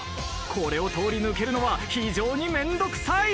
これを通り抜けるのは非常にめんどくさい。